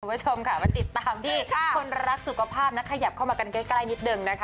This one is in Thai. คุณผู้ชมค่ะมาติดตามที่คนรักสุขภาพนะขยับเข้ามากันใกล้นิดนึงนะคะ